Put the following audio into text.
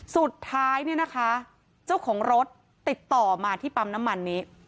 สุดท้ายเนี่ยนะคะเจ้าของรถติดต่อมาที่ปั๊มน้ำมันนี้